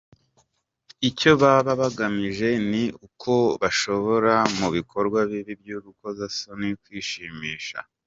Icyo baba bagamije ni ukubashora mu bikorwa bibi by’urukozasoni no kwishimisha